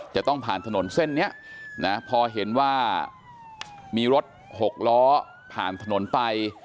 จะต้องผ่านถนนเส้นนี้นะพอเห็นว่ามีรถหกล้อผ่านถนนไป